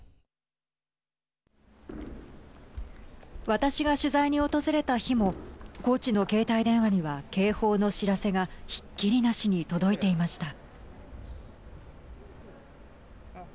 私が取材に訪れた日もコーチの携帯電話には警報の知らせがひっきりなしに届いていました。